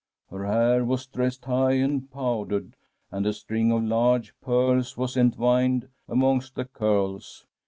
Her hair was dressed high and powdered, and a string of large pearls was entwined amongst the curls.